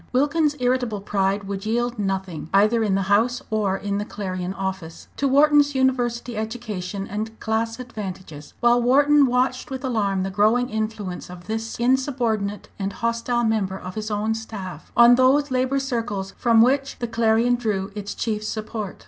Wilkins's irritable pride would yield nothing, either in the House or in the Clarion office, to Wharton's university education and class advantages, while Wharton watched with alarm the growing influence of this insubordinate and hostile member of his own staff on those labour circles from which the Clarion drew its chief support.